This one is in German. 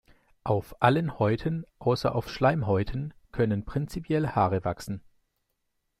Auf allen Häuten außer auf Schleimhäuten können prinzipiell Haare wachsen.